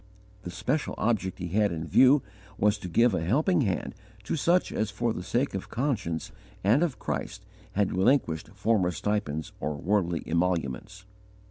The special object he had in view was to give a helping hand to such as for the sake of conscience and of Christ had relinquished former stipends or worldly emoluments.